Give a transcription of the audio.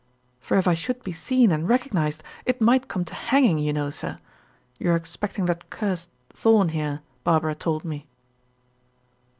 "For if I should be seen and recognized, it might come to hanging, you know, sir. You are expecting that cursed Thorn here, Barbara told me."